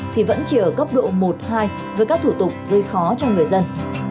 thì vẫn chỉ ở cấp độ một hai với các thủ tục gây khó cho người dân